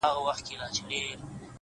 • ترانه یې لا تر خوله نه وه وتلې ,